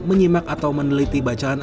menyimak atau meneliti bacaannya